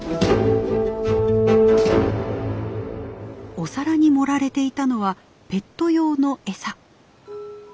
お皿に盛られていたのはペット用の餌。